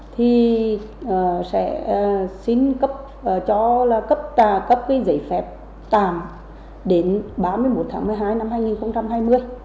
thì sẽ xin cấp cho là cấp tà cấp cái giấy phép tàm đến ba mươi một tháng một mươi hai năm hai nghìn hai mươi